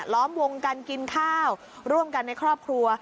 ล้อมวงกันกินข้าวร่วมกันในครอบครัว